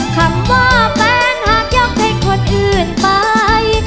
คำว่าแฟนหากยอมเป็นคนอื่นไป